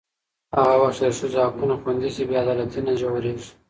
هغه وخت چې د ښځو حقونه خوندي شي، بې عدالتي نه ژورېږي.